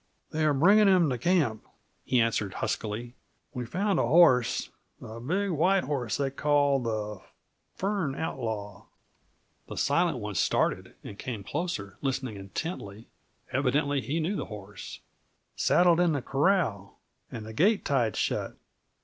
"They're bringin' him t' camp," he answered huskily. "We found a horse a big white horse they call the Fern Outlaw" the Silent One started and came closer, listening intently; evidently he knew the horse "saddled in the corral, and the gate tied shut.